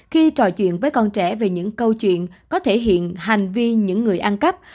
khi trò chuyện với con trẻ về những câu chuyện có thể hiện hành vi những người ăn cắp